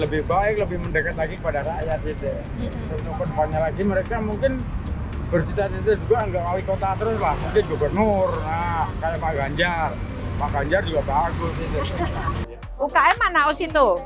lebih baik lebih mendekat lagi kepada rakyat mereka mungkin juga bagus